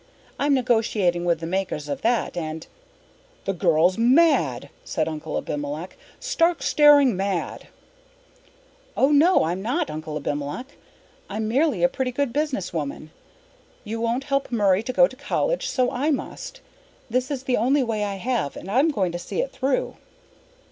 I'm negotiating with the makers of that and " "The girl's mad!" said Uncle Abimelech. "Stark, staring mad!" "Oh, no, I'm not, Uncle Abimelech. I'm merely a pretty good businesswoman. You won't help Murray to go to college, so I must. This is the only way I have, and I'm going to see it through."